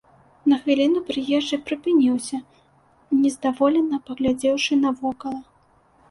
На хвіліну прыезджы прыпыніўся, нездаволена паглядзеўшы навокала.